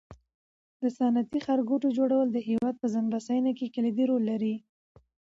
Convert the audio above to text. د صنعتي ښارګوټو جوړول د هېواد په ځان بسیاینه کې کلیدي رول لوبوي.